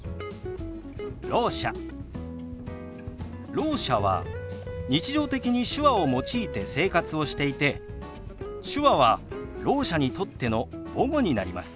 ろう者は日常的に手話を用いて生活をしていて手話はろう者にとっての母語になります。